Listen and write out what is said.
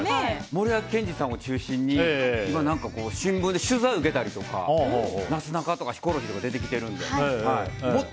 森脇健児さんを中心に今、新聞で取材を受けたりとかヒコロヒーとか出てきてるので。